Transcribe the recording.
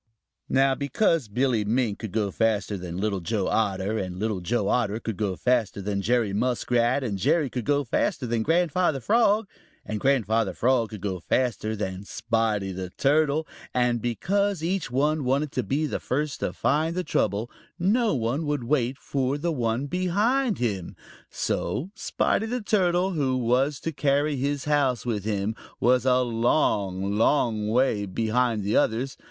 Now, because Billy Mink could go faster than Little Joe Otter, and Little Joe Otter could go faster than Jerry Muskrat, and Jerry could go faster than Grandfather Frog, and Grandfather Frog could go faster than Spotty the Turtle, and because each one wanted to be the first to find the trouble, no one would wait for the one behind him. So Spotty the Turtle, who has to carry his house with him, was a long, long way behind the others.